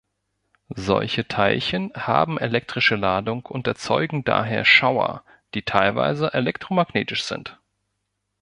Solche Teilchen haben elektrische Ladung und erzeugen daher Schauer, die teilweise elektromagnetisch sind.